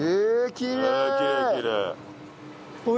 きれいきれい。